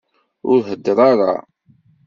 Ur heddeṛ ara!